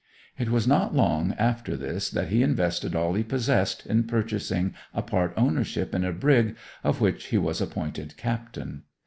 It was not long after this that he invested all he possessed in purchasing a part ownership in a brig, of which he was appointed captain.